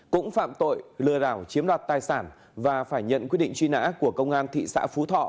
cũng phạm tội lừa đảo chiếm đoạt tài sản và phải nhận quyết định truy nã của công an thị xã phú thọ